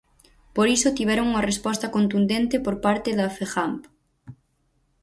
Por iso tiveron unha resposta contundente por parte da Fegamp.